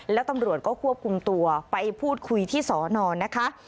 แล้วตำรวจก็ควบคุมตัวไปพูดคุยที่สอนอนนะคะ